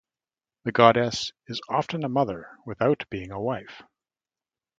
The goddess is often a mother without being a wife.